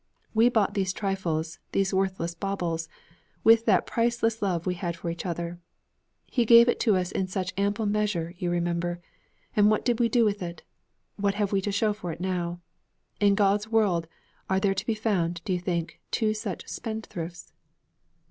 We bought these trifles, these worthless baubles, with the priceless love we had for each other. He gave it to us in such ample measure, you remember. And what did we do with it? What have we to show for it now? In God's world are there to be found, do you think, two such spendthrifts?'